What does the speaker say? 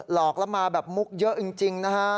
หลอกแล้วมาแบบมุกเยอะจริงนะฮะ